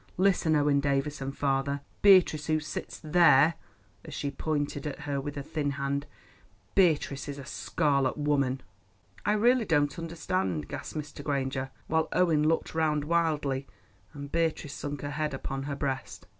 Listen, Owen Davies, and father: Beatrice, who sits there"—and she pointed at her with her thin hand—"Beatrice is a scarlet woman!" "I really don't understand," gasped Mr. Granger, while Owen looked round wildly, and Beatrice sunk her head upon her breast.